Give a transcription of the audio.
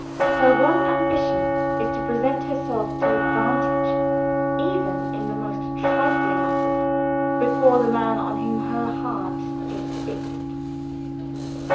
Her one ambition is to present herself to advantage, even in the most trifling matters, before the man on whom her heart is fixed.